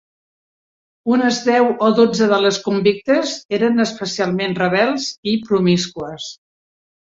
Unes deu o dotze de les convictes eren especialment rebels i promíscues.